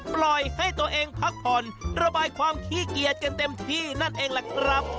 ปล่อยให้ตัวเองพักผ่อนระบายความขี้เกียจกันเต็มที่นั่นเองล่ะครับ